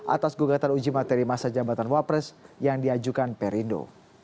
atas gugatan uji materi masa jabatan wapres yang diajukan perindo